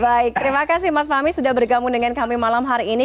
baik terima kasih mas fahmi sudah bergabung dengan kami malam hari ini